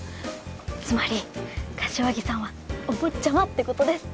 つまり柏木さんはお坊ちゃまってことです。